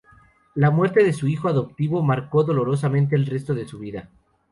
La muerte de su hijo adoptivo marcó dolorosamente el resto de su vida.